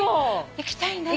行きたいんだね。